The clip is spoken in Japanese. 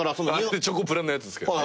チョコプラのやつっすけどね。